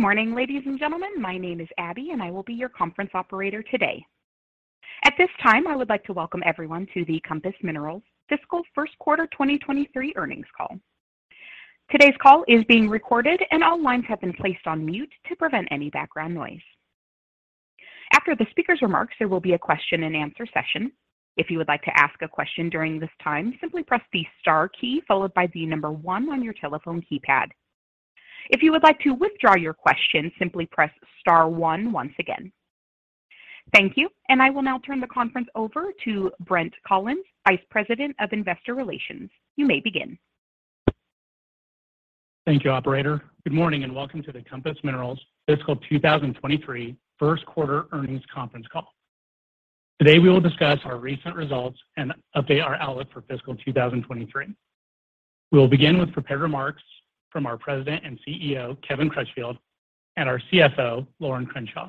Good morning, ladies and gentlemen. My name is Abby. I will be your conference operator today. At this time, I would like to welcome everyone to the Compass Minerals Fiscal First Quarter 2023 earnings call. Today's call is being recorded and all lines have been placed on mute to prevent any background noise. After the speaker's remarks, there will be a question-and-answer session. If you would like to ask a question during this time, simply press the star key followed by the number one on your telephone keypad. If you would like to withdraw your question, simply press star one once again. Thank you. I will now turn the conference over to Brent Collins, Vice President of Investor Relations. You may begin. Thank you, operator. Good morning and welcome to the Compass Minerals Fiscal 2023 first quarter earnings conference call. Today, we will discuss our recent results and update our outlook for fiscal 2023. We will begin with prepared remarks from our President and CEO, Kevin Crutchfield, and our CFO, Lorin Crenshaw.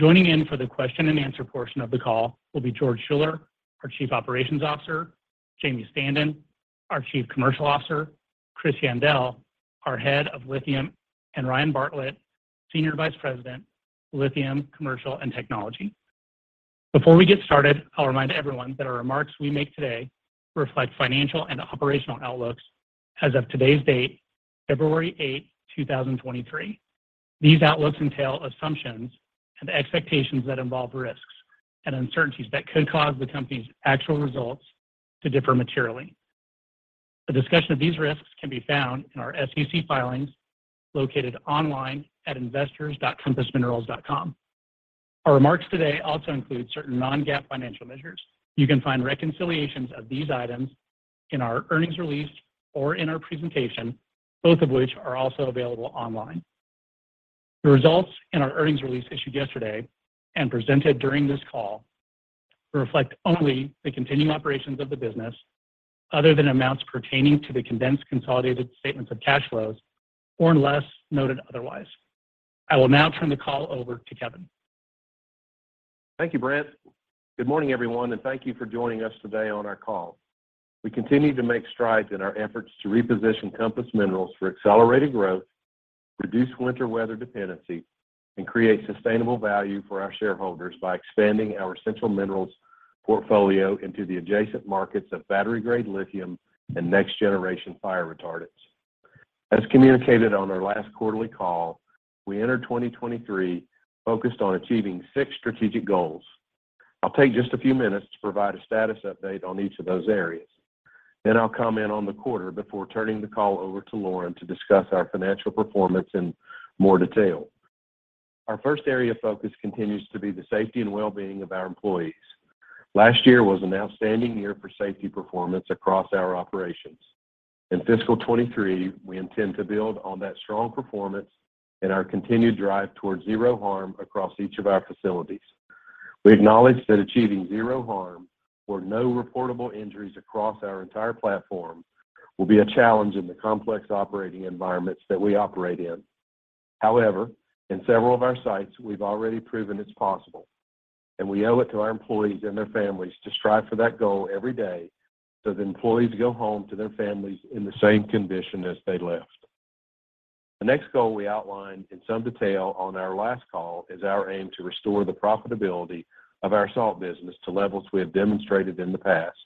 Joining in for the question-and-answer portion of the call will be George Schuller, our Chief Operations Officer, Jamie Standen, our Chief Commercial Officer, Chris Yandell, our Head of Lithium, and Ryan Bartlett, Senior Vice President, Lithium, Commercial, and Technology. Before we get started, I'll remind everyone that our remarks we make today reflect financial and operational outlooks as of today's date, February eighth, 2023. These outlooks entail assumptions and expectations that involve risks and uncertainties that could cause the company's actual results to differ materially. A discussion of these risks can be found in our SEC filings located online at investors.compassminerals.com. Our remarks today also include certain non-GAAP financial measures. You can find reconciliations of these items in our earnings release or in our presentation, both of which are also available online. The results in our earnings release issued yesterday and presented during this call reflect only the continuing operations of the business other than amounts pertaining to the condensed consolidated statements of cash flows, or unless noted otherwise. I will now turn the call over to Kevin. Thank you, Brent. Good morning, everyone, and thank you for joining us today on our call. We continue to make strides in our efforts to reposition Compass Minerals for accelerated growth, reduce winter weather dependency, and create sustainable value for our shareholders by expanding our essential minerals portfolio into the adjacent markets of battery-grade lithium and next-generation fire retardants. As communicated on our last quarterly call, we entered 2023 focused on achieving six strategic goals. I'll take just a few minutes to provide a status update on each of those areas. I'll comment on the quarter before turning the call over to Lorin to discuss our financial performance in more detail. Our first area of focus continues to be the safety and well-being of our employees. Last year was an outstanding year for safety performance across our operations. In fiscal 23, we intend to build on that strong performance and our continued drive towards zero harm across each of our facilities. We acknowledge that achieving zero harm or no reportable injuries across our entire platform will be a challenge in the complex operating environments that we operate in. However, in several of our sites, we've already proven it's possible, and we owe it to our employees and their families to strive for that goal every day so the employees go home to their families in the same condition as they left. The next goal we outlined in some detail on our last call is our aim to restore the profitability of our salt business to levels we have demonstrated in the past.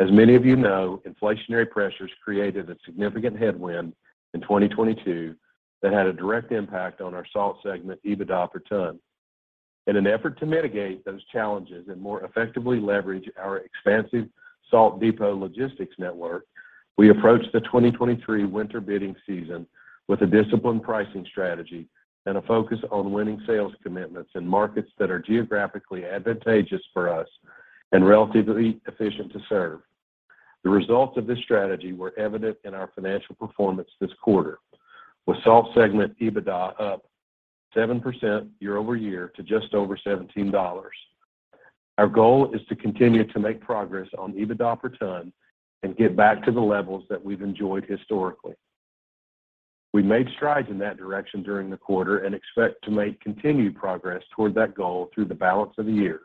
As many of you know, inflationary pressures created a significant headwind in 2022 that had a direct impact on our salt segment EBITDA per ton. In an effort to mitigate those challenges and more effectively leverage our expansive salt depot logistics network, we approached the 2023 winter bidding season with a disciplined pricing strategy and a focus on winning sales commitments in markets that are geographically advantageous for us and relatively efficient to serve. The results of this strategy were evident in our financial performance this quarter, with salt segment EBITDA up 7% year-over-year to just over $17. Our goal is to continue to make progress on EBITDA per ton and get back to the levels that we've enjoyed historically. We made strides in that direction during the quarter and expect to make continued progress toward that goal through the balance of the year,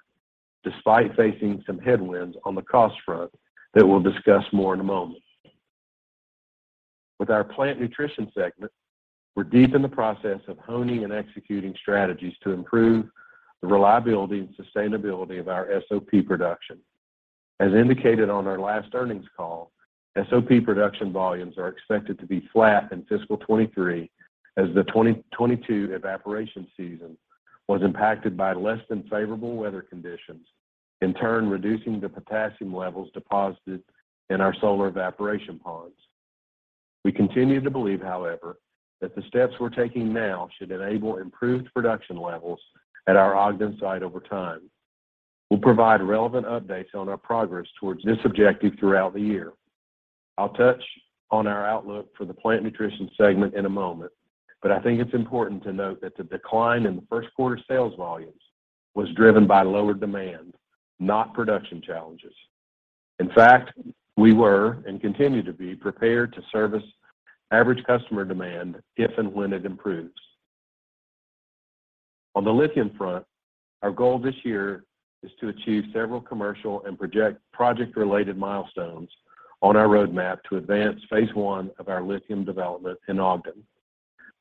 despite facing some headwinds on the cost front that we'll discuss more in a moment. With our plant nutrition segment, we're deep in the process of honing and executing strategies to improve the reliability and sustainability of our SOP production. As indicated on our last earnings call, SOP production volumes are expected to be flat in fiscal 23 as the 2022 evaporation season was impacted by less than favorable weather conditions, in turn reducing the potassium levels deposited in our solar evaporation ponds. We continue to believe, however, that the steps we're taking now should enable improved production levels at our Ogden site over time. We'll provide relevant updates on our progress towards this objective throughout the year. I'll touch on our outlook for the plant nutrition segment in a moment, but I think it's important to note that the decline in first quarter sales volumes was driven by lower demand, not production challenges. In fact, we were and continue to be prepared to service average customer demand if and when it improves. On the lithium front, our goal this year is to achieve several commercial and project-related milestones on our roadmap to advance phase one of our lithium development in Ogden.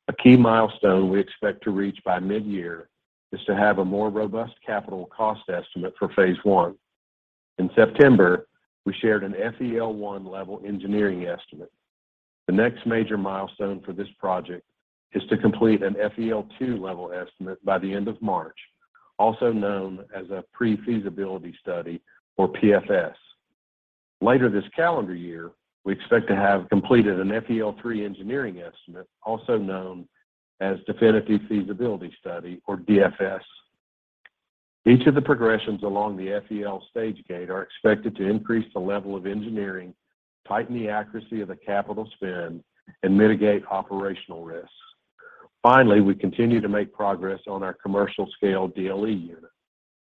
A key milestone we expect to reach by mid-year is to have a more robust capital cost estimate for phase one. In September, we shared an FEL-1 level engineering estimate. The next major milestone for this project is to complete an FEL-2 level estimate by the end of March, also known as a pre-feasibility study or PFS. Later this calendar year, we expect to have completed an FEL-3 engineering estimate, also known as definitive feasibility study or DFS. Each of the progressions along the FEL stage-gate are expected to increase the level of engineering, tighten the accuracy of the capital spend, and mitigate operational risks. We continue to make progress on our commercial scale DLE unit.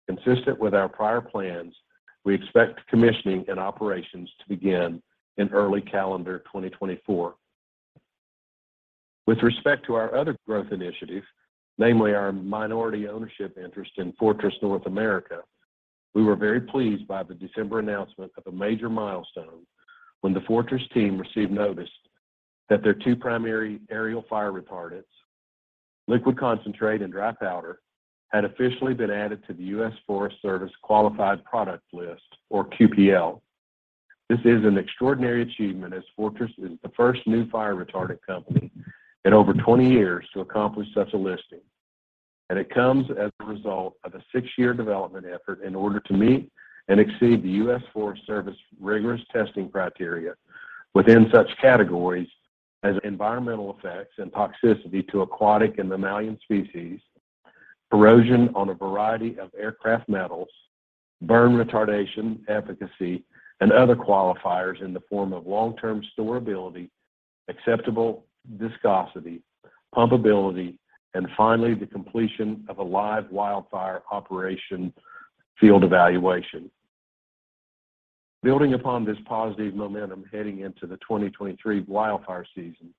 Consistent with our prior plans, we expect commissioning and operations to begin in early calendar 2024. With respect to our other growth initiative, namely our minority ownership interest in Fortress North America, we were very pleased by the December announcement of a major milestone when the Fortress team received notice that their 2 primary aerial fire retardants, liquid concentrate and dry powder, had officially been added to the US Forest Service Qualified Product List, or QPL. This is an extraordinary achievement as Fortress is the first new fire retardant company in over 20 years to accomplish such a listing. It comes as a result of a 6-year development effort in order to meet and exceed the US Forest Service rigorous testing criteria within such categories as environmental effects and toxicity to aquatic and mammalian species, erosion on a variety of aircraft metals, burn retardation efficacy, and other qualifiers in the form of long-term storability, acceptable viscosity, pumpability, and finally, the completion of a live wildfire operation field evaluation. Building upon this positive momentum heading into the 2023 wildfire season,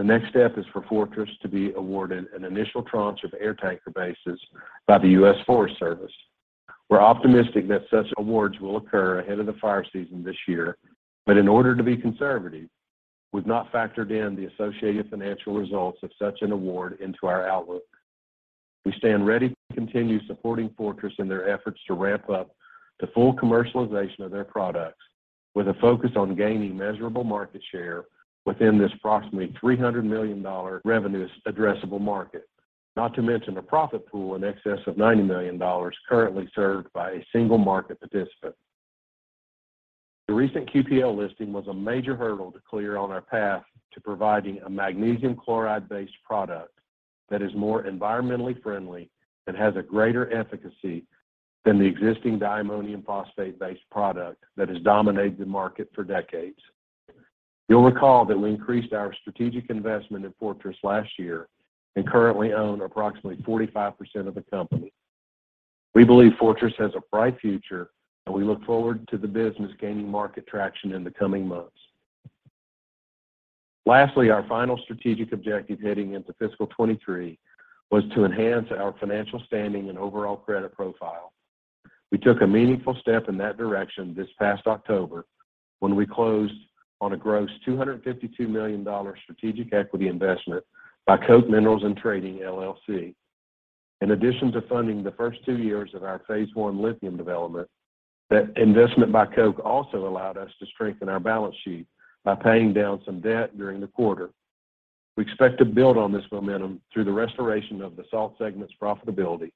the next step is for Fortress to be awarded an initial tranche of air tanker bases by the US Forest Service. We're optimistic that such awards will occur ahead of the fire season this year, but in order to be conservative, we've not factored in the associated financial results of such an award into our outlook. We stand ready to continue supporting Fortress in their efforts to ramp up the full commercialization of their products with a focus on gaining measurable market share within this approximately $300 million revenue addressable market. Not to mention a profit pool in excess of $90 million currently served by a single market participant. The recent QPL listing was a major hurdle to clear on our path to providing a magnesium chloride-based product that is more environmentally friendly and has a greater efficacy than the existing diammonium phosphate-based product that has dominated the market for decades. You'll recall that we increased our strategic investment in Fortress last year and currently own approximately 45% of the company. We believe Fortress has a bright future. We look forward to the business gaining market traction in the coming months. Our final strategic objective heading into fiscal 2023 was to enhance our financial standing and overall credit profile. We took a meaningful step in that direction this past October when we closed on a gross $252 million strategic equity investment by Koch Minerals & Trading, LLC. In addition to funding the first 2 years of our Phase 1 lithium development, that investment by Koch also allowed us to strengthen our balance sheet by paying down some debt during the quarter. We expect to build on this momentum through the restoration of the salt segment's profitability,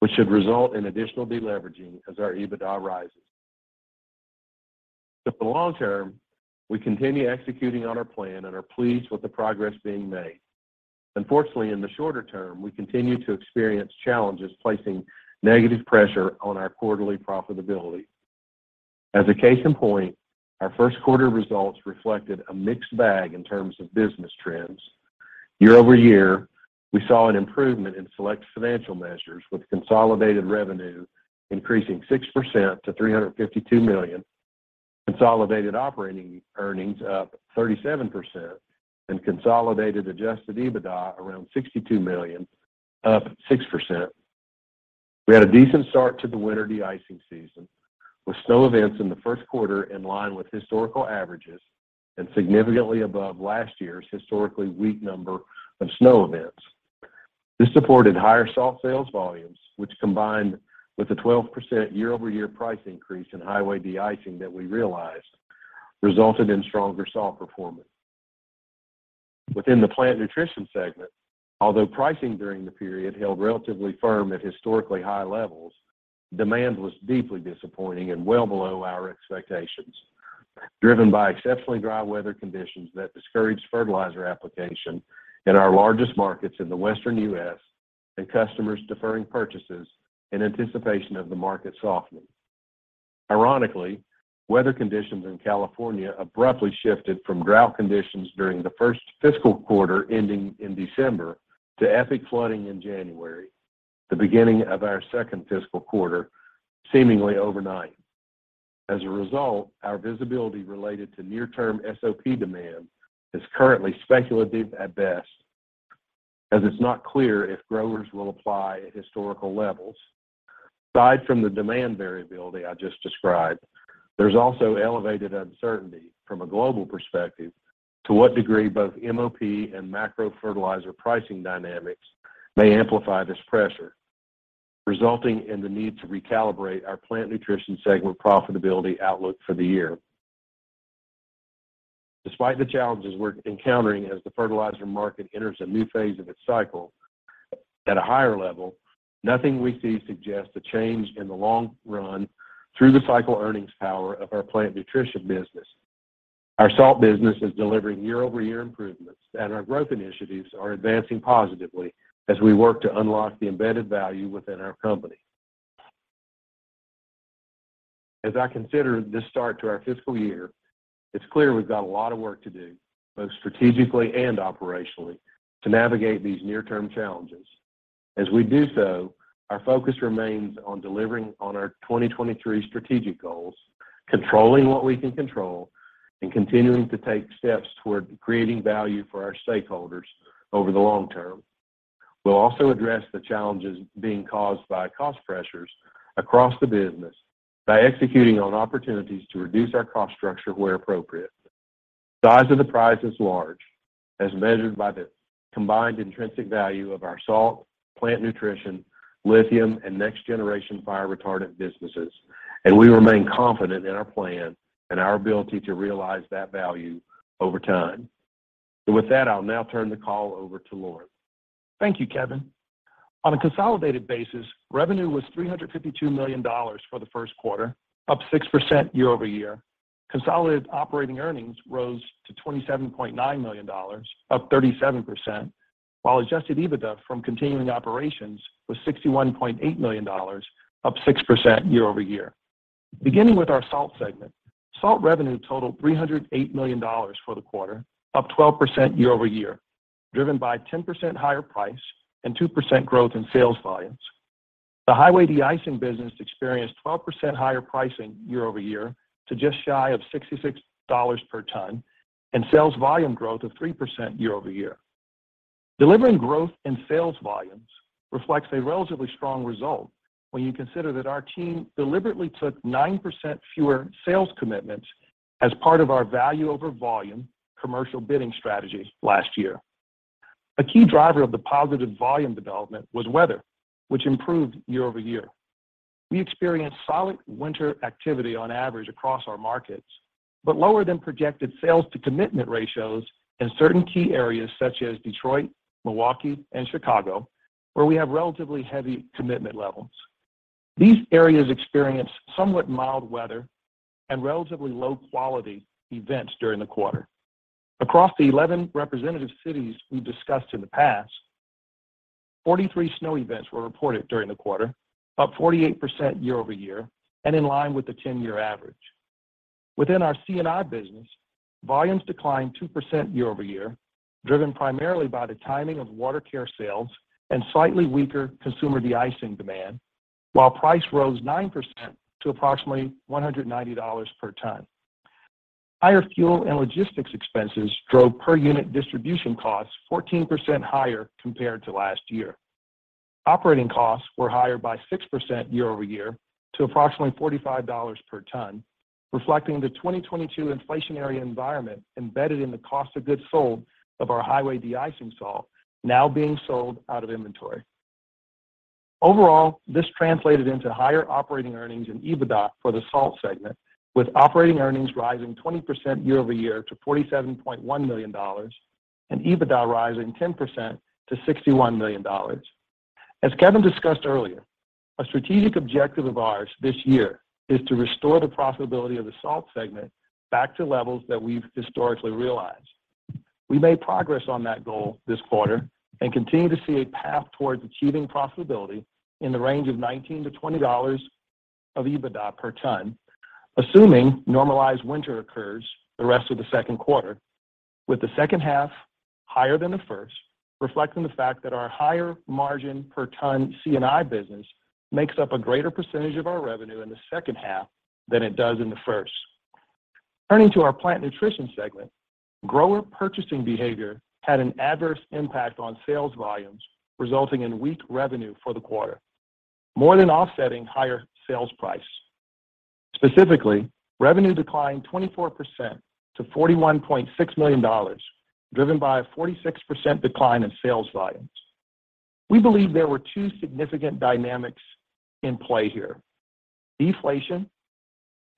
which should result in additional deleveraging as our EBITDA rises. For the long term, we continue executing on our plan and are pleased with the progress being made. Unfortunately, in the shorter term, we continue to experience challenges placing negative pressure on our quarterly profitability. As a case in point, our first quarter results reflected a mixed bag in terms of business trends. Year-over-year, we saw an improvement in select financial measures with consolidated revenue increasing 6% to $352 million, consolidated operating earnings up 37%, and consolidated adjusted EBITDA around $62 million, up 6%. We had a decent start to the winter de-icing season with snow events in the first quarter in line with historical averages and significantly above last year's historically weak number of snow events. This supported higher salt sales volumes, which combined with the 12% year-over-year price increase in highway de-icing that we realized, resulted in stronger salt performance. Within the plant nutrition segment, although pricing during the period held relatively firm at historically high levels, demand was deeply disappointing and well below our expectations, driven by exceptionally dry weather conditions that discouraged fertilizer application in our largest markets in the Western U.S. and customers deferring purchases in anticipation of the market softening. Ironically, weather conditions in California abruptly shifted from drought conditions during the first fiscal quarter ending in December to epic flooding in January, the beginning of our second fiscal quarter, seemingly overnight. As a result, our visibility related to near-term SOP demand is currently speculative at best, as it's not clear if growers will apply at historical levels. Aside from the demand variability I just described, there's also elevated uncertainty from a global perspective to what degree both MOP and macro fertilizer pricing dynamics may amplify this pressure, resulting in the need to recalibrate our plant nutrition segment profitability outlook for the year. Despite the challenges we're encountering as the fertilizer market enters a new phase of its cycle, at a higher level, nothing we see suggests a change in the long run through the cycle earnings power of our plant nutrition business. Our salt business is delivering year-over-year improvements, and our growth initiatives are advancing positively as we work to unlock the embedded value within our company. As I consider this start to our fiscal year, it's clear we've got a lot of work to do, both strategically and operationally, to navigate these near-term challenges. As we do so, our focus remains on delivering on our 2023 strategic goals, controlling what we can control, and continuing to take steps toward creating value for our stakeholders over the long term. We'll also address the challenges being caused by cost pressures across the business by executing on opportunities to reduce our cost structure where appropriate. The size of the prize is large, as measured by the combined intrinsic value of our salt, plant nutrition, lithium, and next-generation fire retardant businesses, and we remain confident in our plan and our ability to realize that value over time. With that, I'll now turn the call over to Lorin. Thank you, Kevin. On a consolidated basis, revenue was $352 million for the first quarter, up 6% year-over-year. Consolidated operating earnings rose to $27.9 million, up 37%, while adjusted EBITDA from continuing operations was $61.8 million, up 6% year-over-year. Beginning with our salt segment, salt revenue totaled $308 million for the quarter, up 12% year-over-year, driven by 10% higher price and 2% growth in sales volumes. The highway de-icing business experienced 12% higher pricing year-over-year to just shy of $66 per ton and sales volume growth of 3% year-over-year. Delivering growth in sales volumes reflects a relatively strong result when you consider that our team deliberately took 9% fewer sales commitments as part of our value over volume commercial bidding strategy last year. A key driver of the positive volume development was weather, which improved year-over-year. We experienced solid winter activity on average across our markets, but lower than projected sales-to-commitment ratios in certain key areas such as Detroit, Milwaukee, and Chicago, where we have relatively heavy commitment levels. These areas experienced somewhat mild weather and relatively low-quality events during the quarter. Across the 11 representative cities we've discussed in the past, 43 snow events were reported during the quarter, up 48% year-over-year and in line with the 10-year average. Within our C&I business, volumes declined 2% year-over-year, driven primarily by the timing of water care sales and slightly weaker consumer de-icing demand, while price rose 9% to approximately $190 per ton. Higher fuel and logistics expenses drove per unit distribution costs 14% higher compared to last year. Operating costs were higher by 6% year-over-year to approximately $45 per ton, reflecting the 2022 inflationary environment embedded in the cost of goods sold of our highway de-icing salt now being sold out of inventory. Overall, this translated into higher operating earnings in EBITDA for the salt segment, with operating earnings rising 20% year-over-year to $47.1 million and EBITDA rising 10% to $61 million. As Kevin discussed earlier, a strategic objective of ours this year is to restore the profitability of the salt segment back to levels that we've historically realized. We made progress on that goal this quarter and continue to see a path towards achieving profitability in the range of $19-$20 of EBITDA per ton, assuming normalized winter occurs the rest of the second quarter, with the second half higher than the first, reflecting the fact that our higher margin per ton C&I business makes up a greater percentage of our revenue in the second half than it does in the first. Turning to our plant nutrition segment, grower purchasing behavior had an adverse impact on sales volumes, resulting in weak revenue for the quarter, more than offsetting higher sales price. Specifically, revenue declined 24% to $41.6 million, driven by a 46% decline in sales volumes. We believe there were 2 significant dynamics in play here: deflation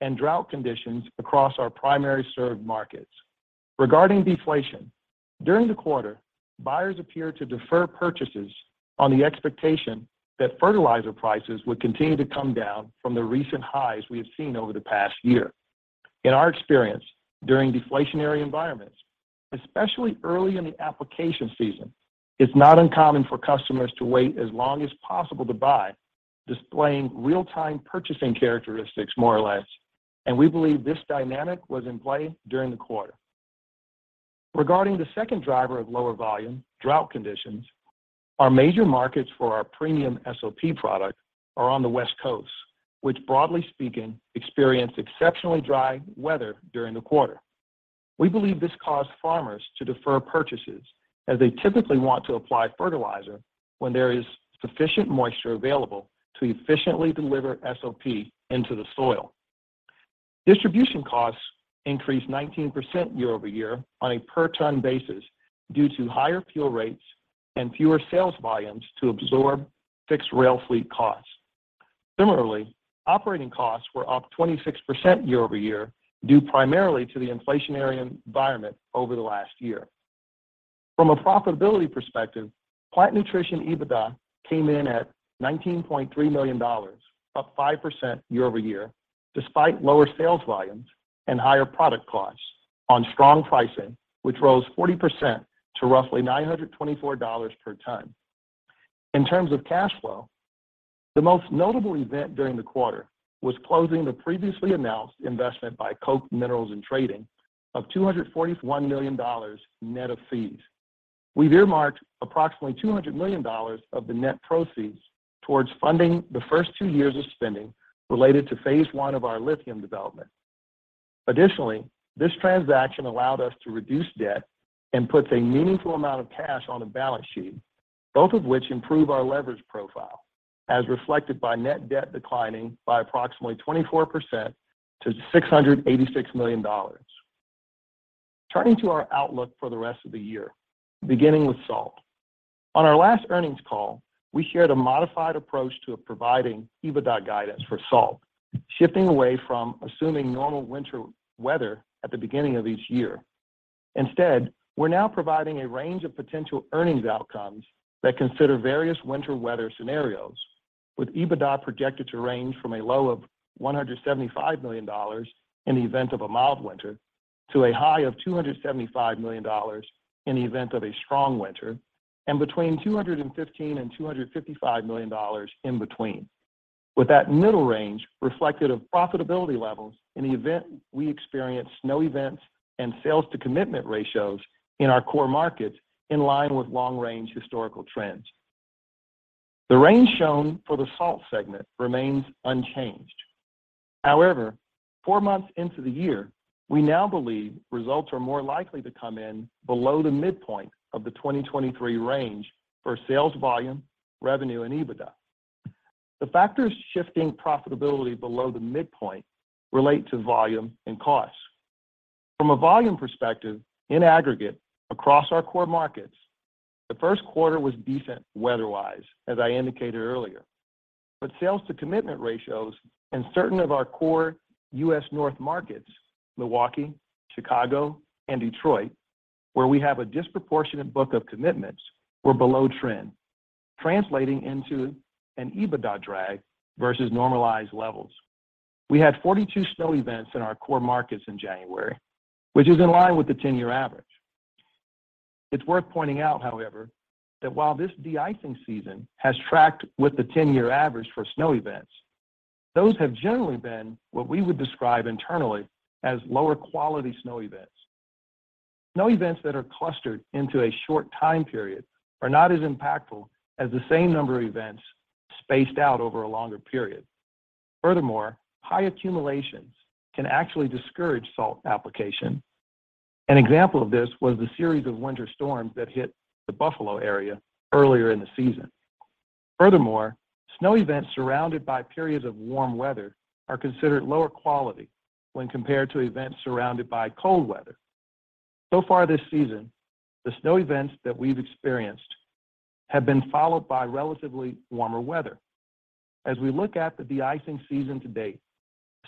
and drought conditions across our primary served markets. Regarding deflation, during the quarter, buyers appeared to defer purchases on the expectation that fertilizer prices would continue to come down from the recent highs we have seen over the past year. In our experience, during deflationary environments, especially early in the application season, it's not uncommon for customers to wait as long as possible to buy, displaying real-time purchasing characteristics more or less, and we believe this dynamic was in play during the quarter. Regarding the second driver of lower volume, drought conditions, our major markets for our premium SOP product are on the West Coast, which broadly speaking, experienced exceptionally dry weather during the quarter. We believe this caused farmers to defer purchases as they typically want to apply fertilizer when there is sufficient moisture available to efficiently deliver SOP into the soil. Distribution costs increased 19% year-over-year on a per ton basis due to higher fuel rates and fewer sales volumes to absorb fixed rail fleet costs. Similarly, operating costs were up 26% year-over-year, due primarily to the inflationary environment over the last year. From a profitability perspective, Plant Nutrition EBITDA came in at $19.3 million, up 5% year-over-year despite lower sales volumes and higher product costs on strong pricing, which rose 40% to roughly $924 per ton. In terms of cash flow, the most notable event during the quarter was closing the previously announced investment by Koch Minerals & Trading of $241 million net of fees. We've earmarked approximately $200 million of the net proceeds towards funding the first two years of spending related to Phase 1 of our lithium development. Additionally, this transaction allowed us to reduce debt and puts a meaningful amount of cash on the balance sheet, both of which improve our leverage profile, as reflected by net debt declining by approximately 24% to $686 million. Turning to our outlook for the rest of the year, beginning with salt. On our last earnings call, we shared a modified approach to providing EBITDA guidance for salt, shifting away from assuming normal winter weather at the beginning of each year. Instead, we're now providing a range of potential earnings outcomes that consider various winter weather scenarios with EBITDA projected to range from a low of $175 million in the event of a mild winter to a high of $275 million in the event of a strong winter, and between $215 million and $255 million in between. With that middle range reflective of profitability levels in the event we experience snow events and sales-to-commitment ratios in our core markets in line with long range historical trends. The range shown for the salt segment remains unchanged. However, four months into the year, we now believe results are more likely to come in below the midpoint of the 2023 range for sales volume, revenue, and EBITDA. The factors shifting profitability below the midpoint relate to volume and cost. From a volume perspective, in aggregate across our core markets, the first quarter was decent weather-wise, as I indicated earlier. Sales-to-commitment ratios in certain of our core U.S. North markets, Milwaukee, Chicago, and Detroit, where we have a disproportionate book of commitments, were below trend, translating into an EBITDA drag versus normalized levels. We had 42 snow events in our core markets in January, which is in line with the 10-year average. It's worth pointing out, however, that while this de-icing season has tracked with the 10-year average for snow events, those have generally been what we would describe internally as lower quality snow events. Snow events that are clustered into a short time period are not as impactful as the same number of events spaced out over a longer period. Furthermore, high accumulations can actually discourage salt application. An example of this was the series of winter storms that hit the Buffalo area earlier in the season. Furthermore, snow events surrounded by periods of warm weather are considered lower quality when compared to events surrounded by cold weather. Far this season, the snow events that we've experienced have been followed by relatively warmer weather. As we look at the de-icing season to date,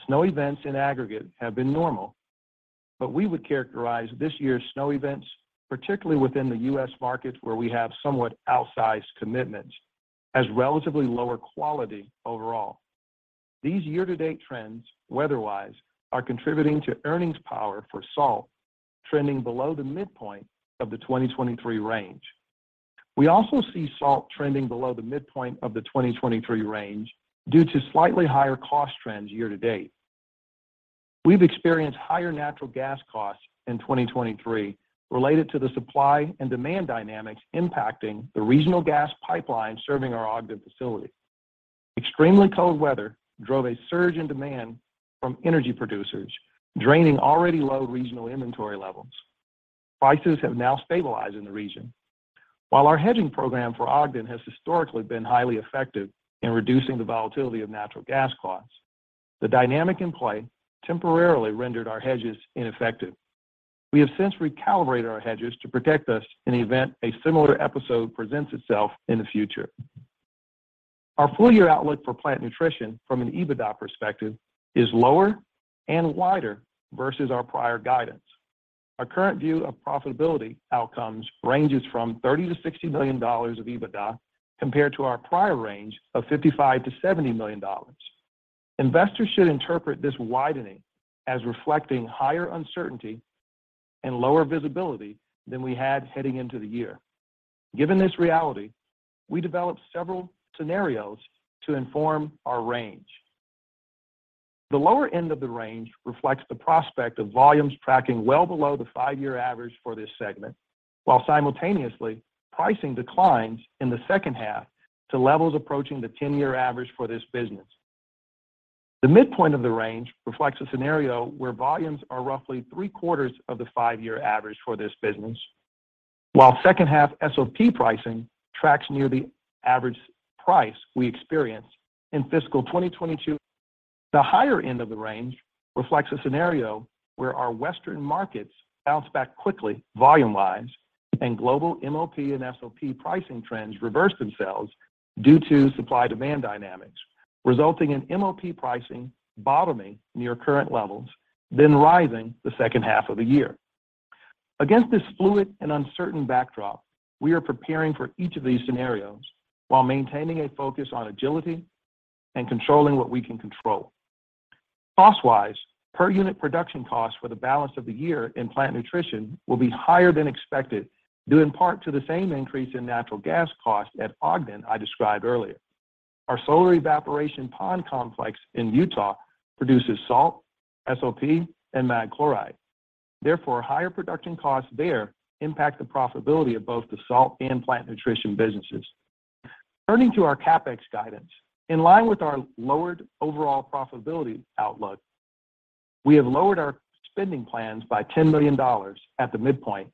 snow events in aggregate have been normal. We would characterize this year's snow events, particularly within the U.S. markets, where we have somewhat outsized commitments, as relatively lower quality overall. These year-to-date trends, weather-wise, are contributing to earnings power for salt trending below the midpoint of the 2023 range. We also see salt trending below the midpoint of the 2023 range due to slightly higher cost trends year to date. We've experienced higher natural gas costs in 2023 related to the supply and demand dynamics impacting the regional gas pipeline serving our Ogden facility. Extremely cold weather drove a surge in demand from energy producers, draining already low regional inventory levels. Prices have now stabilized in the region. Our hedging program for Ogden has historically been highly effective in reducing the volatility of natural gas costs, the dynamic in play temporarily rendered our hedges ineffective. We have since recalibrated our hedges to protect us in the event a similar episode presents itself in the future. Our full year outlook for Plant Nutrition from an EBITDA perspective is lower and wider versus our prior guidance. Our current view of profitability outcomes ranges from $30 million-$60 million of EBITDA compared to our prior range of $55 million-$70 million. Investors should interpret this widening as reflecting higher uncertainty and lower visibility than we had heading into the year. Given this reality, we developed several scenarios to inform our range. The lower end of the range reflects the prospect of volumes tracking well below the five-year average for this segment, while simultaneously pricing declines in the second half to levels approaching the 10-year average for this business. The midpoint of the range reflects a scenario where volumes are roughly three-quarters of the five-year average for this business, while second half SOP pricing tracks near the average price we experienced in fiscal 2022. The higher end of the range reflects a scenario where our Western markets bounce back quickly volume-wise, and global MOP and SOP pricing trends reverse themselves due to supply-demand dynamics, resulting in MOP pricing bottoming near current levels, then rising the second half of the year. Against this fluid and uncertain backdrop, we are preparing for each of these scenarios while maintaining a focus on agility and controlling what we can control. Cost-wise, per unit production costs for the balance of the year in plant nutrition will be higher than expected, due in part to the same increase in natural gas costs at Ogden I described earlier. Our solar evaporation pond complex in Utah produces salt, SOP, and mag chloride. Higher production costs there impact the profitability of both the salt and plant nutrition businesses. Turning to our CapEx guidance. In line with our lowered overall profitability outlook, we have lowered our spending plans by $10 million at the midpoint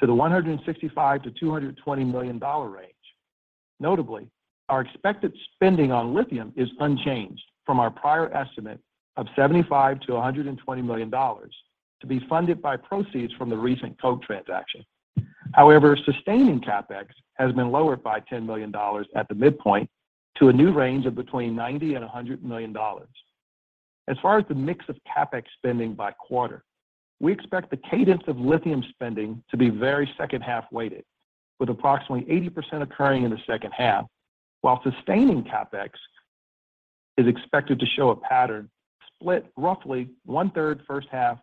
to the $165 million-$220 million range. Notably, our expected spending on lithium is unchanged from our prior estimate of $75 million-$120 million to be funded by proceeds from the recent Koch transaction. Sustaining CapEx has been lowered by $10 million at the midpoint to a new range of $90 million-$100 million. As far as the mix of CapEx spending by quarter, we expect the cadence of lithium spending to be very second-half weighted, with approximately 80% occurring in the second half, while sustaining CapEx is expected to show a pattern split roughly one-third first half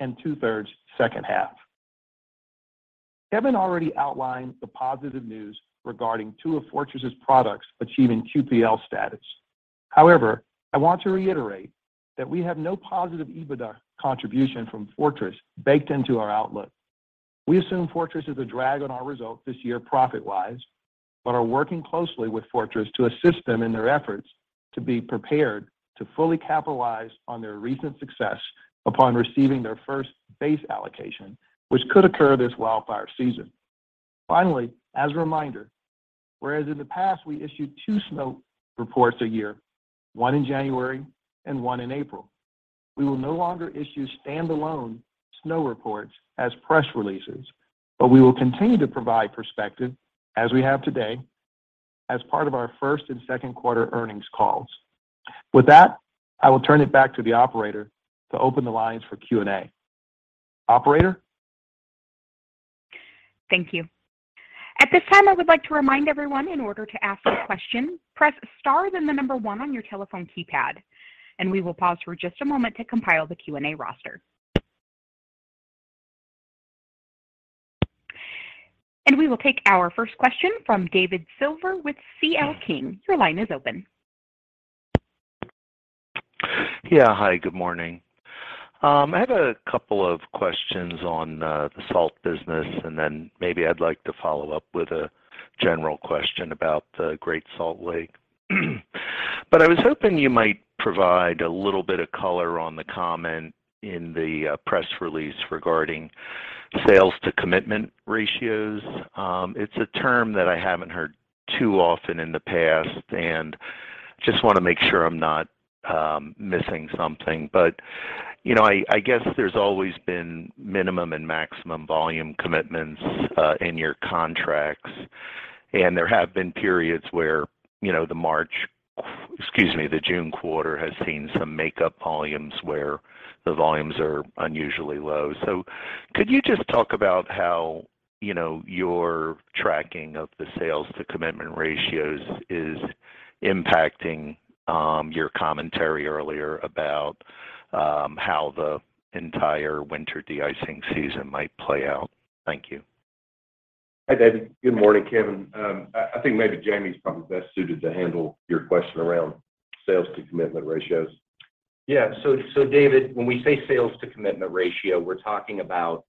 and two-thirds second half. Kevin already outlined the positive news regarding two of Fortress's products achieving QPL status. I want to reiterate that we have no positive EBITDA contribution from Fortress baked into our outlook. We assume Fortress is a drag on our results this year profit-wise, but are working closely with Fortress to assist them in their efforts to be prepared to fully capitalize on their recent success upon receiving their first base allocation, which could occur this wildfire season. Finally, as a reminder, whereas in the past we issued 2 snow reports a year, one in January and one in April, we will no longer issue standalone snow reports as press releases. We will continue to provide perspective as we have today as part of our first and second quarter earnings calls. With that, I will turn it back to the operator to open the lines for Q&A. Operator? Thank you. At this time, I would like to remind everyone in order to ask a question, press star, then the number one on your telephone keypad. We will pause for just a moment to compile the Q&A roster. We will take our first question from David Silver with C.L. King. Your line is open. Yeah. Hi, good morning. I have a couple of questions on the salt business, and then maybe I'd like to follow up with a general question about the Great Salt Lake. I was hoping you might provide a little bit of color on the comment in the press release regarding sales-to-commitment ratios. It's a term that I haven't heard too often in the past, and just wanna make sure I'm not missing something. You know, I guess there's always been minimum and maximum volume commitments in your contracts. There have been periods where, you know, the March, excuse me, the June quarter has seen some makeup volumes where the volumes are unusually low. Could you just talk about how, you know, your tracking of the sales to commitment ratios is impacting your commentary earlier about how the entire winter de-icing season might play out? Thank you. Hi, David. Good morning, Kevin. I think maybe Jamie is probably best suited to handle your question around sales to commitment ratios. Yeah. David, when we say sales-to-commitment ratio, we're talking about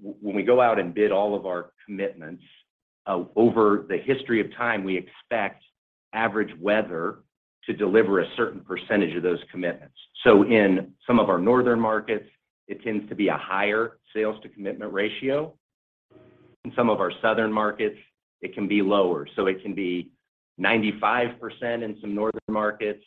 when we go out and bid all of our commitments over the history of time, we expect average weather to deliver a certain percentage of those commitments. In some of our northern markets, it tends to be a higher sales-to-commitment ratio. In some of our southern markets, it can be lower. It can be 95% in some northern markets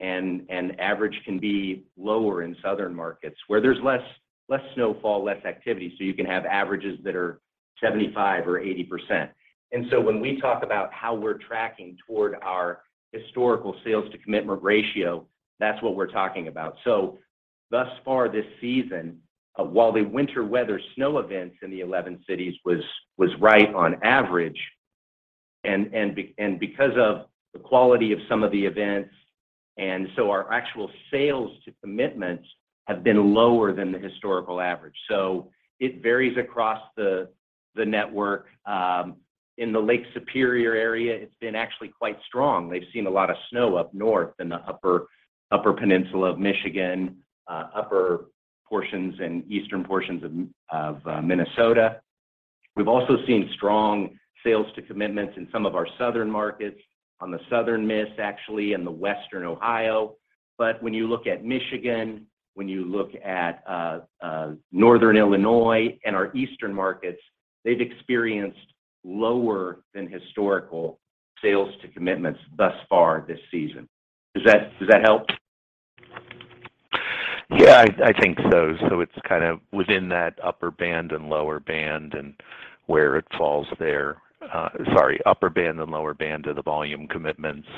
and average can be lower in southern markets where there's less, less snowfall, less activity, you can have averages that are 75% or 80%. When we talk about how we're tracking toward our historical sales-to-commitment ratio, that's what we're talking about. Thus far this season, while the winter weather snow events in the 11 cities was right on average, because of the quality of some of the events, our actual sales to commitments have been lower than the historical average. It varies across the network. In the Lake Superior area, it's been actually quite strong. They've seen a lot of snow up north in the upper peninsula of Michigan, upper portions and eastern portions of Minnesota. We've also seen strong sales to commitments in some of our southern markets, on the southern Miss, actually, and the western Ohio. When you look at Michigan, when you look at northern Illinois and our eastern markets, they've experienced lower than historical sales to commitments thus far this season. Does that help? Yeah, I think so. It's kind of within that upper band and lower band and where it falls there. Sorry, upper band and lower band of the volume commitments,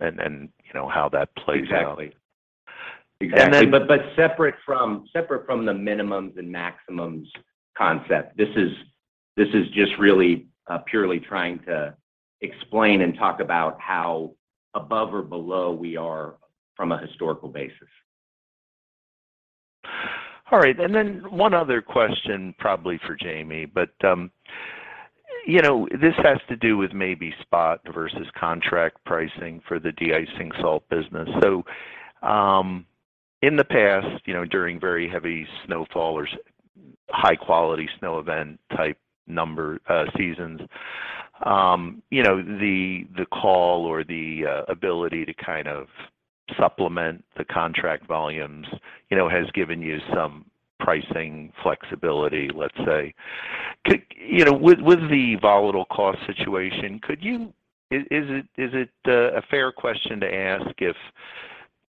and you know, how that plays out. Exactly. Exactly. And then- Separate from the minimums and maximums concept. This is just really purely trying to explain and talk about how above or below we are from a historical basis. All right. Then one other question probably for Jamie. You know, this has to do with maybe spot versus contract pricing for the de-icing salt business. In the past, you know, during very heavy snowfall or high quality snow event type number, seasons, you know, the call or the ability to kind of supplement the contract volumes, you know, has given you some pricing flexibility, let's say. You know, with the volatile cost situation, is it a fair question to ask if,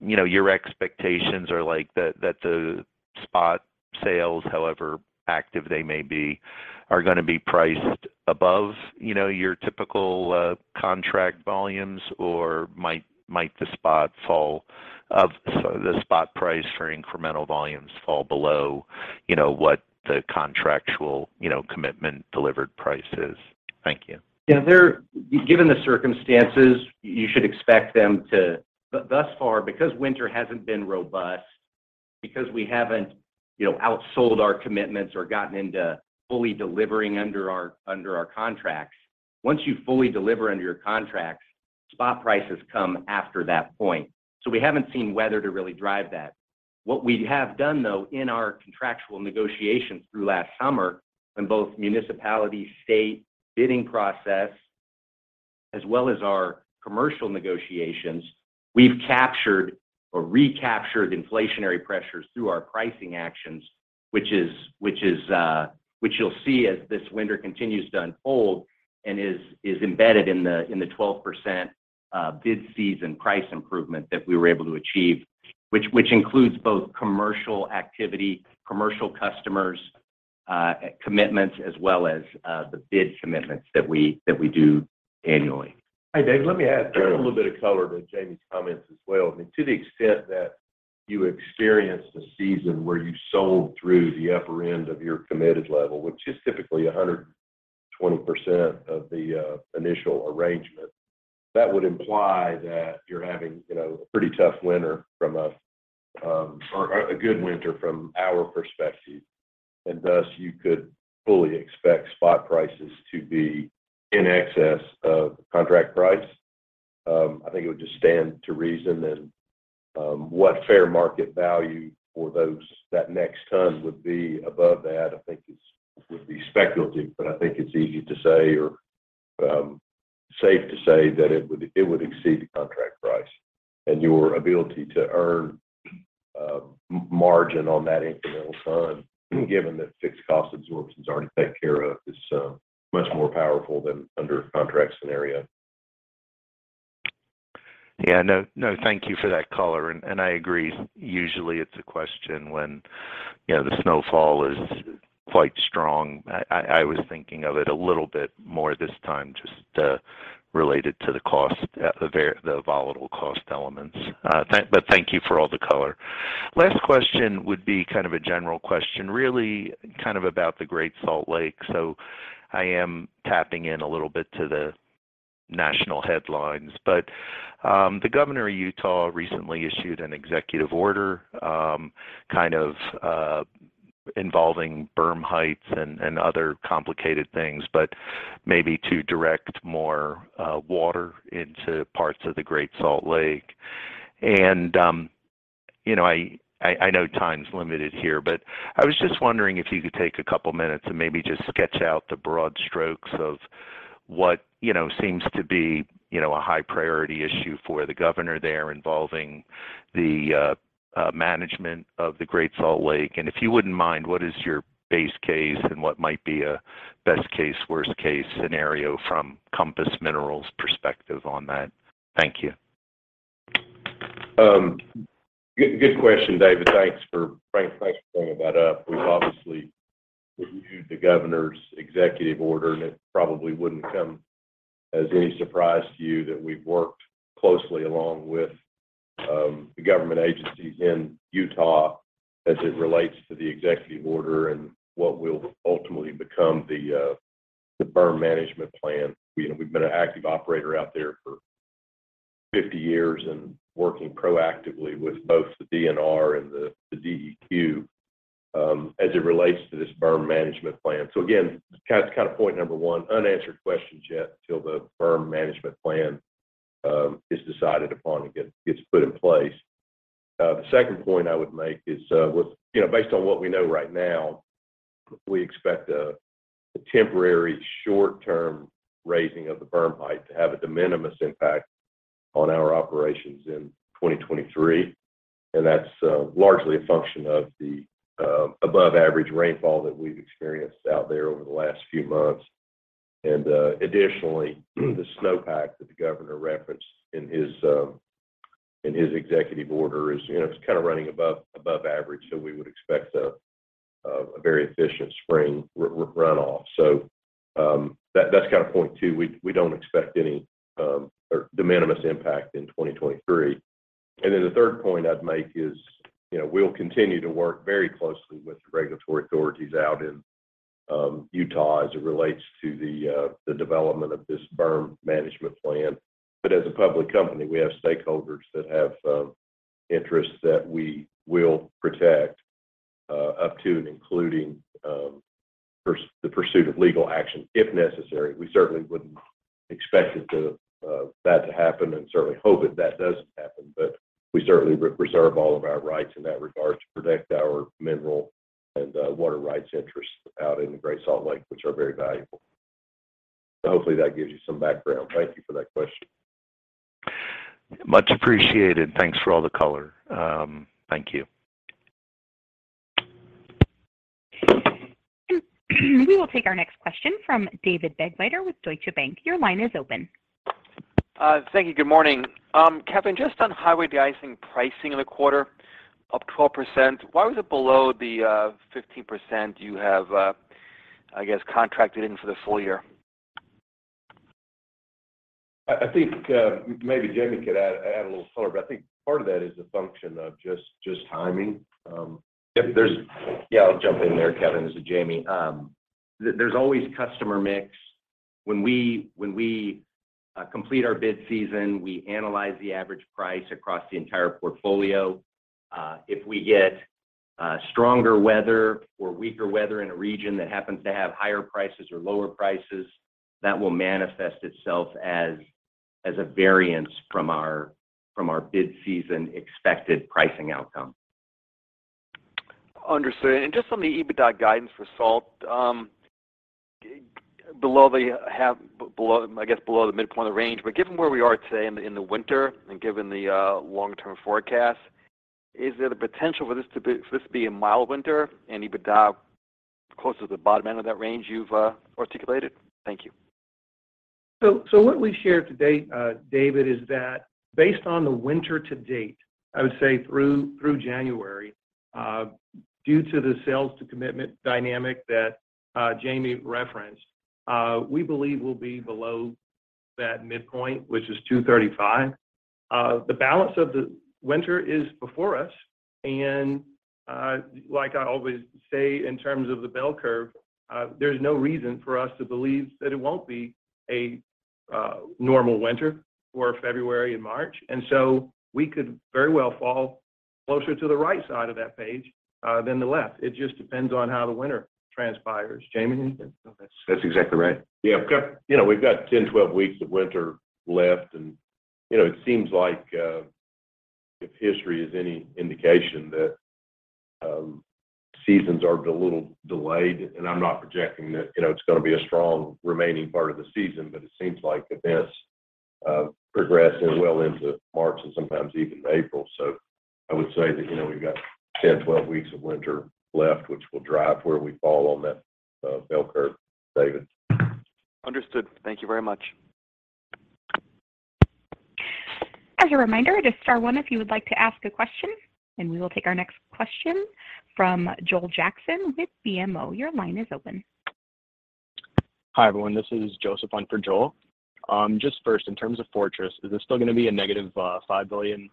you know, your expectations are that the spot sales, however active they may be, are gonna be priced above, you know, your typical, contract volumes? might the spot fall of the spot price for incremental volumes fall below, you know, what the contractual, you know, commitment delivered price is? Thank you. Yeah, given the circumstances, you should expect them. Thus far, because winter hasn't been robust, because we haven't, you know, outsold our commitments or gotten into fully delivering under our contracts, once you fully deliver under your contracts, spot prices come after that point. We haven't seen weather to really drive that. What we have done, though, in our contractual negotiations through last summer, when both municipality, state bidding process as well as our commercial negotiations, we've captured or recaptured inflationary pressures through our pricing actions, which is which you'll see as this winter continues to unfold and is embedded in the 12% bid season price improvement that we were able to achieve, which includes both commercial activity, commercial customers, commitments, as well as the bid commitments that we do annually. Hey, Dave, let me add a little bit of color to Jamie's comments as well. I mean, to the extent that you experienced a season where you sold through the upper end of your committed level, which is typically 120% of the initial arrangement, that would imply that you're having, you know, a pretty tough winter from a, or a good winter from our perspective. Thus you could fully expect spot prices to be in excess of contract price. I think it would just stand to reason and what fair market value for those, that next ton would be above that, I think is, would be speculative. I think it's easy to say or, safe to say that it would exceed the contract price and your ability to earn, margin on that incremental ton, given that fixed cost absorption is already taken care of, is much more powerful than under contract scenario. Yeah. No, no, thank you for that color. I agree. Usually it's a question when, you know, the snowfall is quite strong. I was thinking of it a little bit more this time just related to the cost, the volatile cost elements. Thank you for all the color. Last question would be kind of a general question, really kind of about the Great Salt Lake. I am tapping in a little bit to the national headlines. The governor of Utah recently issued an executive order, kind of involving berm heights and other complicated things, maybe to direct more water into parts of the Great Salt Lake. You know, I know time's limited here, but I was just wondering if you could take a couple minutes and maybe just sketch out the broad strokes of what, you know, seems to be, you know, a high priority issue for the governor there involving the management of the Great Salt Lake. If you wouldn't mind, what is your base case and what might be a best case, worst case scenario from Compass Minerals' perspective on that? Thank you. Good question, David. Frank, thanks for bringing that up. We've obviously reviewed the governor's executive order, it probably wouldn't come as any surprise to you that we've worked closely along with the government agencies in Utah as it relates to the executive order and what will ultimately become the berm management plan. You know, we've been an active operator out there for 50 years and working proactively with both the DNR and the DEQ, as it relates to this berm management plan. Again, kind of point number one, unanswered questions yet until the berm management plan is decided upon and gets put in place. The second point I would make is, with, you know, based on what we know right now, we expect a temporary short-term raising of the berm height to have a de minimis impact on our operations in 2023. That's largely a function of the above average rainfall that we've experienced out there over the last few months. Additionally, the snow pack that the governor referenced in his executive order is, you know, it's kind of running above average, so we would expect a very efficient spring run off. That's kind of point two. We don't expect any or de minimis impact in 2023. The third point I'd make is, you know, we'll continue to work very closely with the regulatory authorities out in Utah as it relates to the development of this berm management plan. As a public company, we have stakeholders that have interests that we will protect up to and including the pursuit of legal action if necessary. We certainly wouldn't expect that to happen, and certainly hope that that doesn't happen. We certainly reserve all of our rights in that regard to protect our mineral and water rights interests out in the Great Salt Lake, which are very valuable. Hopefully that gives you some background. Thank you for that question. Much appreciated. Thanks for all the color. Thank you. We will take our next question from David Begleiter with Deutsche Bank. Your line is open. Thank you. Good morning. Kevin, just on highway deicing pricing in the quarter, up 12%. Why was it below the 15% you have, I guess contracted in for the full year? I think maybe Jamie could add a little color, but I think part of that is a function of just timing. If there's. Yeah, I'll jump in there, Kevin. This is Jamie. There's always customer mix. When we complete our bid season, we analyze the average price across the entire portfolio. If we get stronger weather or weaker weather in a region that happens to have higher prices or lower prices, that will manifest itself as a variance from our bid season expected pricing outcome. Understood. Just on the EBITDA guidance for salt. Below the half, I guess below the midpoint of the range. Given where we are today in the winter and given the long-term forecast, is there the potential for this to be a mild winter and EBITDA closer to the bottom end of that range you've articulated? Thank you. What we've shared to date, David, is that based on the winter to date, I would say through January, due to the sales to commitment dynamic that Jamie referenced, we believe we'll be below that midpoint, which is 235. The balance of the winter is before us. Like I always say in terms of the bell curve, there's no reason for us to believe that it won't be a normal winter for February and March. We could very well fall closer to the right side of that page than the left. It just depends on how the winter transpires. Jamie, anything? That's exactly right. Yeah. We've got 10, 12 weeks of winter left and, you know, it seems like, if history is any indication, that seasons are a little delayed. I'm not projecting that, you know, it's gonna be a strong remaining part of the season, but it seems like events progress well into March and sometimes even April. I would say that, you know, we've got 10, 12 weeks of winter left, which will drive where we fall on that bell curve, David. Understood. Thank you very much. As a reminder, it is star one if you would like to ask a question. We will take our next question from Joel Jackson with BMO. Your line is open. Hi, everyone. This is Joseph on for Joel. Just first in terms of Fortress, is this still gonna be a negative $5 billion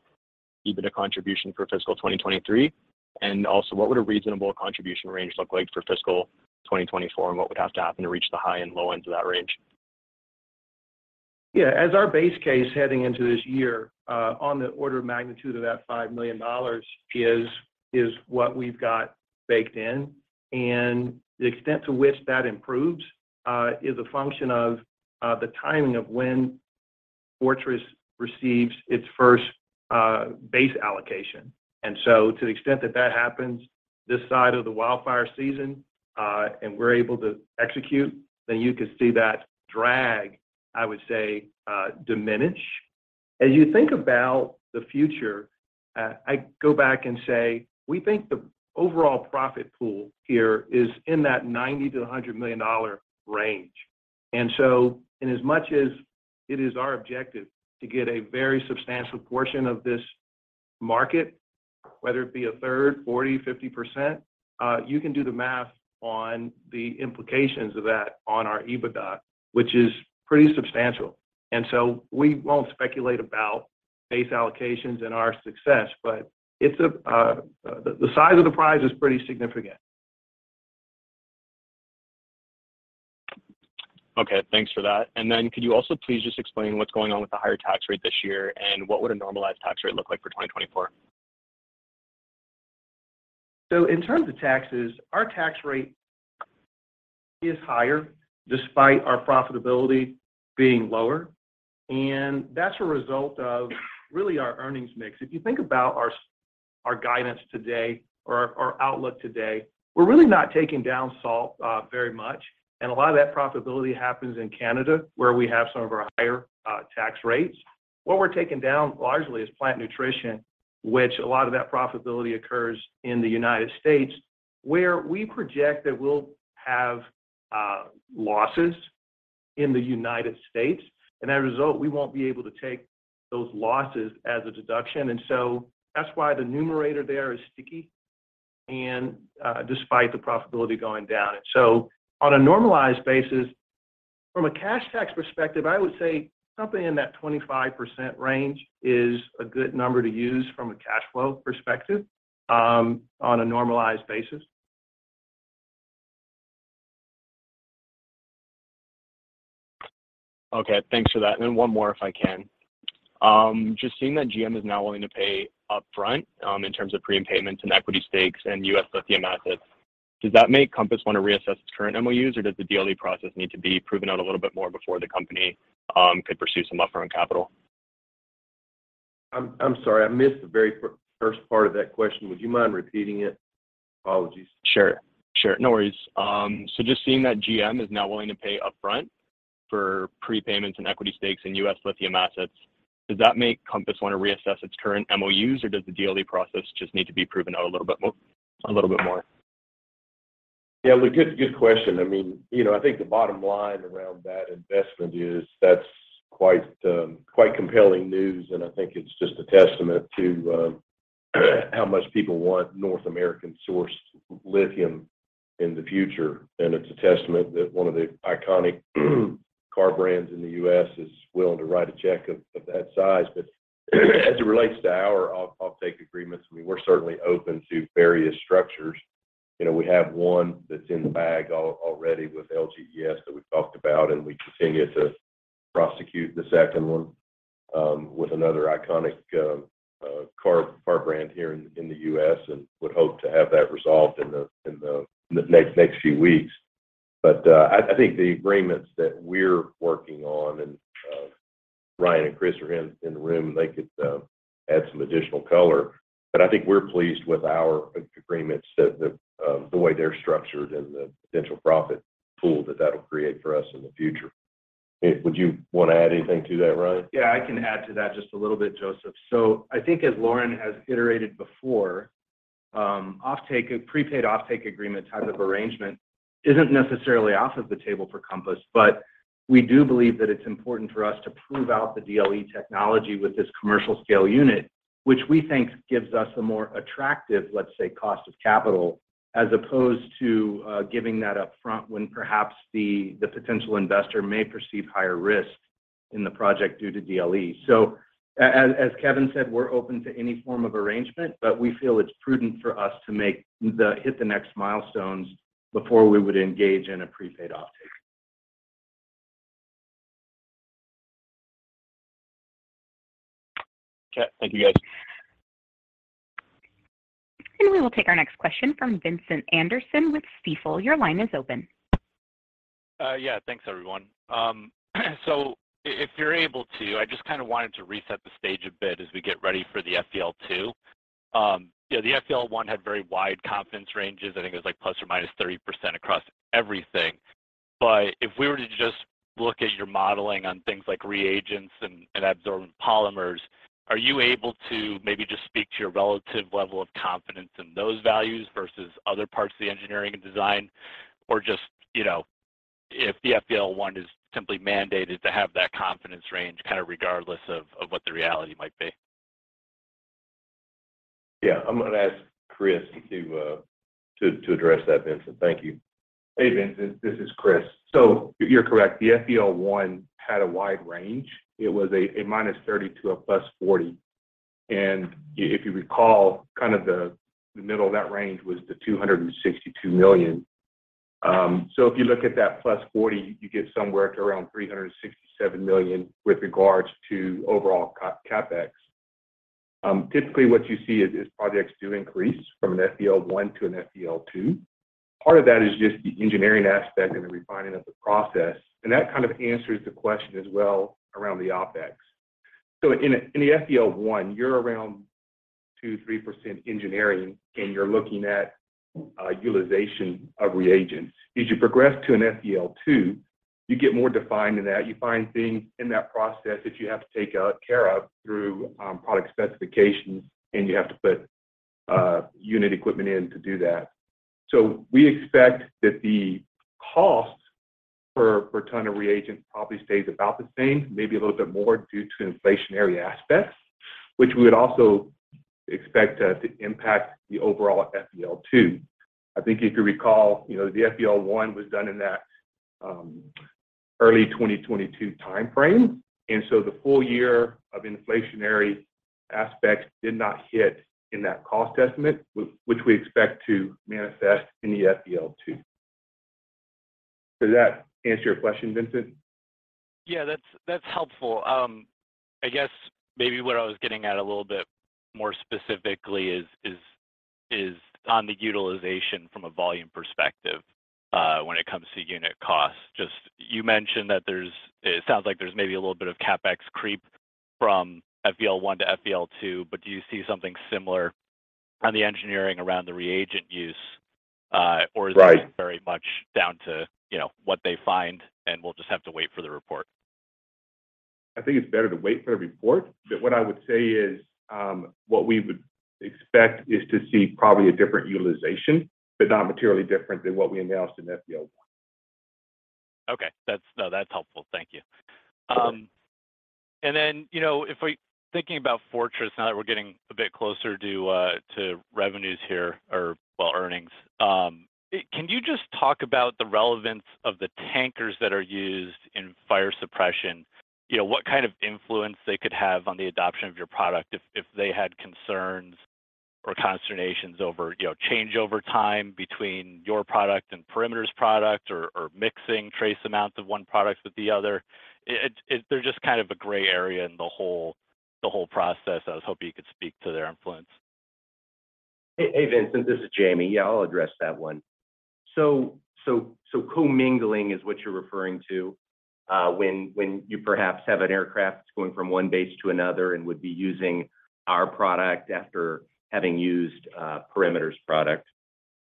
EBITDA contribution for fiscal 2023? Also, what would a reasonable contribution range look like for fiscal 2024, and what would have to happen to reach the high and low ends of that range? Yeah. As our base case heading into this year, on the order of magnitude of that $5 million is what we've got baked in. The extent to which that improves is a function of the timing of when Fortress receives its first base allocation. So to the extent that that happens this side of the wildfire season, and we're able to execute, then you could see that drag, I would say, diminish. As you think about the future, I go back and say we think the overall profit pool here is in that $90 million-$100 million range. Inasmuch as it is our objective to get a very substantial portion of this market, whether it be a third, 40, 50%, you can do the math on the implications of that on our EBITDA, which is pretty substantial. We won't speculate about base allocations and our success, but it's a, the size of the prize is pretty significant. Okay, thanks for that. Could you also please just explain what's going on with the higher tax rate this year, and what would a normalized tax rate look like for 2024? In terms of taxes, our tax rate is higher despite our profitability being lower, and that's a result of really our earnings mix. If you think about our guidance today or our outlook today, we're really not taking down salt very much. A lot of that profitability happens in Canada, where we have some of our higher tax rates. What we're taking down largely is plant nutrition, which a lot of that profitability occurs in the United States, where we project that we'll have losses in the United States. As a result, we won't be able to take those losses as a deduction. That's why the numerator there is sticky and despite the profitability going down. On a normalized basis, from a cash tax perspective, I would say something in that 25% range is a good number to use from a cash flow perspective, on a normalized basis. Okay. Thanks for that. One more, if I can. Just seeing that GM is now willing to pay up front, in terms of prepayments and equity stakes and U.S. lithium assets, does that make Compass wanna reassess its current MOUs, or does the DLE process need to be proven out a little bit more before the company could pursue some upfront capital? I'm sorry. I missed the very first part of that question. Would you mind repeating it? Apologies. Sure, sure. No worries. Just seeing that GM is now willing to pay up front for prepayments and equity stakes in U.S. lithium assets, does that make Compass wanna reassess its current MOUs, or does the DLE process just need to be proven out a little bit more? Yeah. Look, good question. I mean, you know, I think the bottom line around that investment is that's quite compelling news. I think it's just a testament to how much people want North American sourced lithium in the future. It's a testament that one of the iconic car brands in the U.S. is willing to write a check of that size. As it relates to our offtake agreements, I mean, we're certainly open to various structures. You know, we have one that's in the bag already with LGES that we've talked about, and we continue to prosecute the second one with another iconic car brand here in the U.S. and would hope to have that resolved in the next few weeks. I think the agreements that we're working on, and Ryan and Chris are in the room, they could add some additional color. I think we're pleased with our agreements that the way they're structured and the potential profit pool that'll create for us in the future. Would you wanna add anything to that, Ryan? Yeah, I can add to that just a little bit, Joseph. I think as Lorin has iterated before, offtake... a prepaid offtake agreement type of arrangement isn't necessarily off of the table for Compass. We do believe that it's important for us to prove out the DLE technology with this commercial scale unit, which we think gives us a more attractive, let's say, cost of capital, as opposed to giving that up front when perhaps the potential investor may perceive higher risk in the project due to DLE. As Kevin said, we're open to any form of arrangement, but we feel it's prudent for us to hit the next milestones before we would engage in a prepaid offtake. Okay. Thank you, guys. We will take our next question from Vincent Anderson with Stifel. Your line is open. Yeah. Thanks everyone. If you're able to, I just kinda wanted to reset the stage a bit as we get ready for the FEL-2. You know, the FEL-1 had very wide confidence ranges. I think it was like ±30% across everything. If we were to just look at your modeling on things like reagents and adsorbent polymers, are you able to maybe just speak to your relative level of confidence in those values versus other parts of the engineering and design? Just, you know, if the FEL-1 is simply mandated to have that confidence range kind of regardless of what the reality might be. Yeah. I'm gonna ask Chris to address that, Vincent. Thank you. Hey, Vincent, this is Chris. You're correct. The FEL-1 had a wide range. It was a -30 to a +40. If you recall, kind of the middle of that range was the $262 million. If you look at that +40, you get somewhere around $367 million with regards to overall CapEx. Typically, what you see is projects do increase from an FEL-1 to an FEL-2. Part of that is just the engineering aspect and the refining of the process, and that kind of answers the question as well around the OpEx. In the FEL-1, you're around 2%, 3% engineering, and you're looking at utilization of reagents. As you progress to an FEL-2, you get more defined in that. You find things in that process that you have to take care of through product specifications, and you have to put unit equipment in to do that. We expect that the cost per ton of reagent probably stays about the same, maybe a little bit more due to inflationary aspects, which we would also expect to impact the overall FEL-2. I think if you recall, you know, the FEL-1 was done in that early 2022 timeframe, the full year of inflationary Aspects did not hit in that cost estimate which we expect to manifest in the FEL-2. Does that answer your question, Vincent? Yeah. That's helpful. I guess maybe what I was getting at a little bit more specifically is on the utilization from a volume perspective when it comes to unit costs. Just you mentioned that it sounds like there's maybe a little bit of CapEx creep from FEL-1 to FEL-2, but do you see something similar on the engineering around the reagent use? Right... is it very much down to, you know, what they find, and we'll just have to wait for the report? I think it's better to wait for the report. What I would say is, what we would expect is to see probably a different utilization, but not materially different than what we announced in FEL-1. Okay. That's, no, that's helpful. Thank you. You know, thinking about Fortress now that we're getting a bit closer to revenues here or, well, earnings, can you just talk about the relevance of the tankers that are used in fire suppression? You know, what kind of influence they could have on the adoption of your product if they had concerns or consternations over, you know, change over time between your product and Perimeter's product or mixing trace amounts of one product with the other. They're just kind of a gray area in the whole process. I was hoping you could speak to their influence. Hey, Vincent, this is Jamie. Yeah, I'll address that one. Co-mingling is what you're referring to, when you perhaps have an aircraft that's going from one base to another and would be using our product after having used Perimeter's product.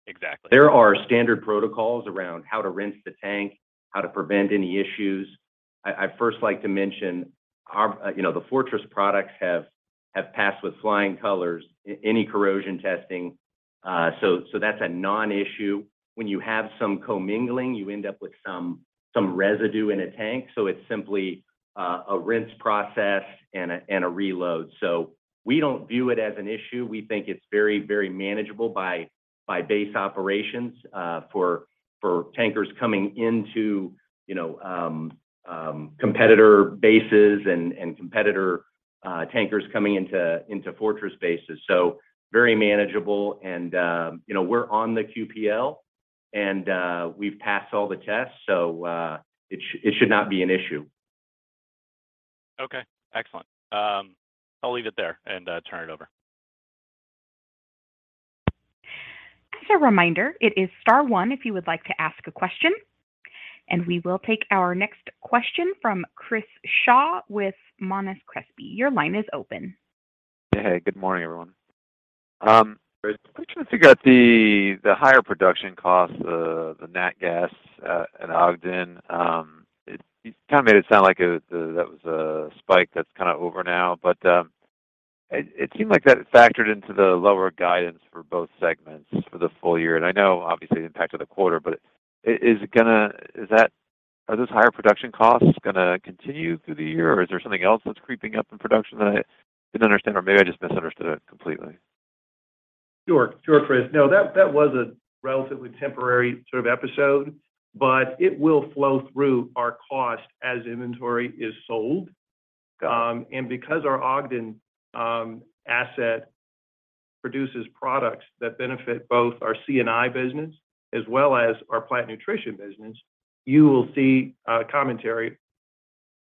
Exactly. There are standard protocols around how to rinse the tank, how to prevent any issues. I first like to mention, you know, the Fortress products have passed with flying colors any corrosion testing. That's a non-issue. When you have some co-mingling, you end up with some residue in a tank, so it's simply a rinse process and a reload. We don't view it as an issue. We think it's very manageable by base operations for tankers coming into, you know, competitor bases and competitor tankers coming into Fortress bases. Very manageable and, you know, we're on the QPL and we've passed all the tests so it should not be an issue. Okay. Excellent. I'll leave it there and turn it over. As a reminder, it is star one if you would like to ask a question. We will take our next question from Chris Shaw with Monness Crespi. Your line is open. Hey, good morning, everyone. I'm trying to figure out the higher production costs, the nat gas at Ogden. You kind of made it sound like that was a spike that's kind of over now. It seemed like that factored into the lower guidance for both segments for the full year. I know obviously the impact of the quarter, but are those higher production costs gonna continue through the year, or is there something else that's creeping up in production that I didn't understand, or maybe I just misunderstood it completely? Sure. Sure, Chris. No, that was a relatively temporary sort of episode, but it will flow through our cost as inventory is sold. Because our Ogden asset produces products that benefit both our C&I business as well as our plant nutrition business, you will see commentary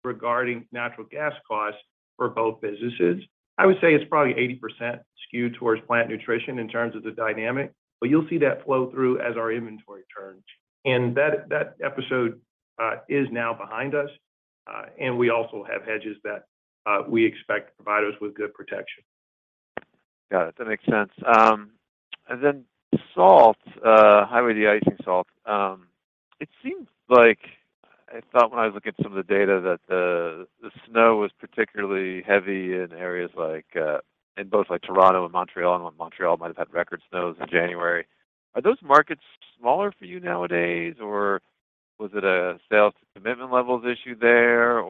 regarding natural gas costs for both businesses. I would say it's probably 80% skewed towards plant nutrition in terms of the dynamic, but you'll see that flow through as our inventory turns. That episode is now behind us, and we also have hedges that we expect to provide us with good protection. Got it. That makes sense. Then salt, highway de-icing salt, I thought when I was looking at some of the data that the snow was particularly heavy in areas like in both like Toronto and Montreal, and Montreal might have had record snows in January. Are those markets smaller for you nowadays, or was it a sales commitment levels issue there?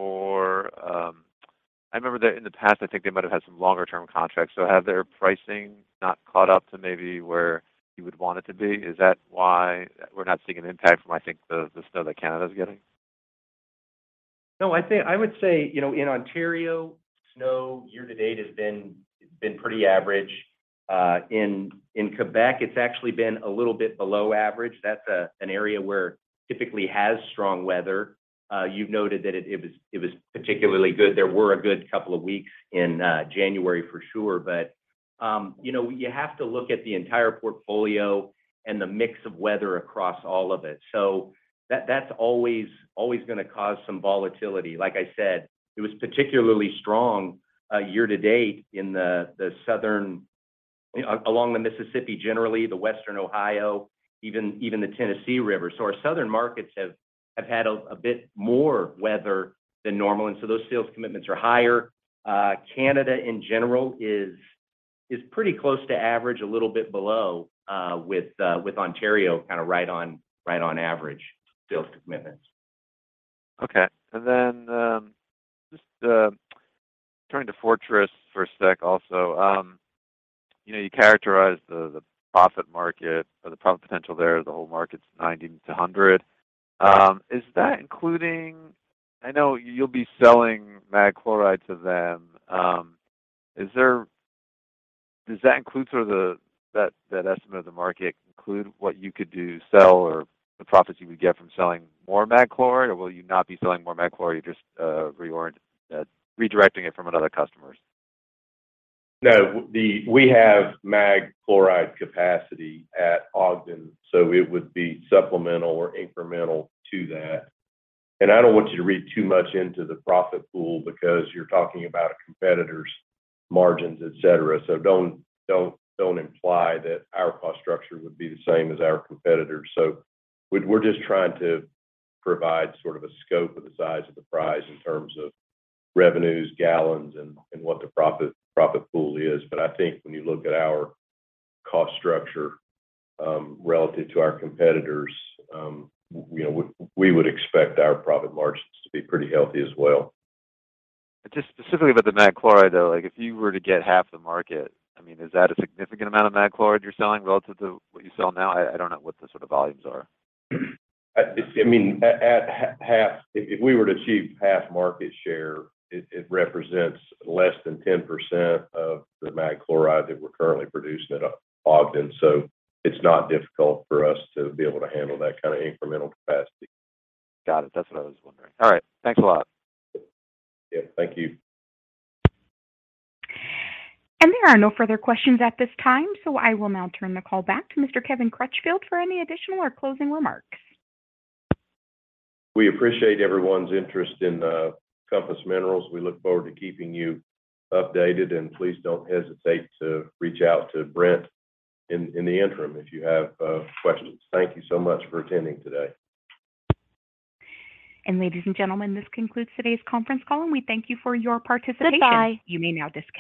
I remember that in the past, they might have had some longer term contracts, have their pricing not caught up to maybe where you would want it to be? Is that why we're not seeing an impact from the snow that Canada's getting? No, I would say, you know, in Ontario, snow year to date has been pretty average. In Quebec, it's actually been a little bit below average. That's an area where it typically has strong weather. You've noted that it was particularly good. There were a good couple of weeks in January for sure. You know, you have to look at the entire portfolio and the mix of weather across all of it. That's always gonna cause some volatility. Like I said, it was particularly strong year to date in the southern... along the Mississippi, generally, the Western Ohio, even the Tennessee River. Our southern markets have had a bit more weather than normal, those sales commitments are higher. Canada in general is pretty close to average, a little bit below, with Ontario kind of right on average sales commitments. Okay. Just turning to Fortress for a sec also. You know, you characterize the profit market or the profit potential there, the whole market's 90-100. Is that including, I know you'll be selling mag chloride to them, does that include sort of that estimate of the market include what you could do, sell or the profits you would get from selling more mag chloride? Will you not be selling more mag chloride, you're just redirecting it from another customers? No. We have mag chloride capacity at Ogden, so it would be supplemental or incremental to that. I don't want you to read too much into the profit pool because you're talking about a competitor's margins, et cetera. Don't imply that our cost structure would be the same as our competitors. We're just trying to provide sort of a scope of the size of the prize in terms of revenues, gallons, and what the profit pool is. I think when you look at our cost structure, relative to our competitors, you know, we would expect our profit margins to be pretty healthy as well. Just specifically about the mag chloride, though, like if you were to get half the market, I mean, is that a significant amount of mag chloride you're selling relative to what you sell now? I don't know what the sort of volumes are. I mean, if we were to achieve half market share, it represents less than 10% of the mag chloride that we're currently producing at Ogden. It's not difficult for us to be able to handle that kind of incremental capacity. Got it. That's what I was wondering. All right. Thanks a lot. Yeah. Thank you. There are no further questions at this time, so I will now turn the call back to Mr. Kevin Crutchfield for any additional or closing remarks. We appreciate everyone's interest in Compass Minerals. We look forward to keeping you updated. Please don't hesitate to reach out to Brent in the interim if you have questions. Thank you so much for attending today. ladies and gentlemen, this concludes today's conference call, and we thank you for your participation. Goodbye. You may now disconnect.